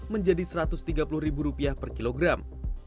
menjadi satu ratus tiga puluh rupiah per kilogram